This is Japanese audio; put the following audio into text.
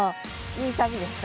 いい旅でした。